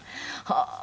はあ。